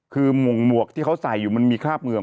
คือหมวกที่เขาใส่อยู่มันมีคราบเหมือง